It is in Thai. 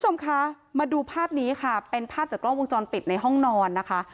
คุณผู้ชมคะมาดูภาพนี้ค่ะเป็นภาพจากกล้องวงจรปิดในห้องนอนนะคะ